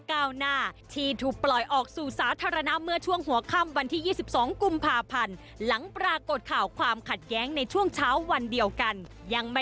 กับการแสดงของพระพิทานะครับก็ต้องขอโทษทุกคนด้วยนะครับ